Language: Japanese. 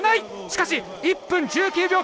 しかし１分１９秒９６。